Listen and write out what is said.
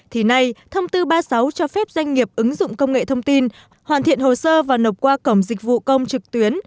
thì nay thông tư ba mươi sáu cho phép doanh nghiệp ứng dụng công nghệ thông tin hoàn thiện hồ sơ và nộp qua cổng dịch vụ công trực tuyến